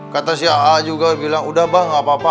kata si a juga bilang udah bang gak apa apa